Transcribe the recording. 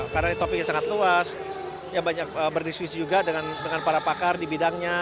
karena ini topiknya sangat luas banyak berdiskusi juga dengan para pakar di bidangnya